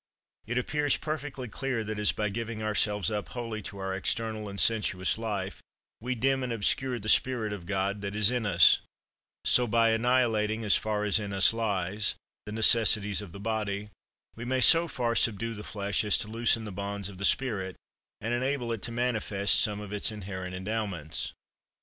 It appears perfectly clear that, as by giving ourselves up wholly to our external and sensuous life, we dim and obscure the spirit of God that is in us—so, by annihilating, as far as in us lies, the necessities of the body, we may so far subdue the flesh as to loosen the bonds of the spirit, and enable it to manifest some of its inherent endowments.